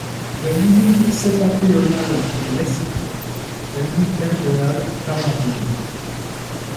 La limite septentrionale est le Mexique, la limite méridionale, l'Argentine.